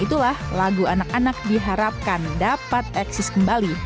itulah lagu anak anak diharapkan dapat eksis kembali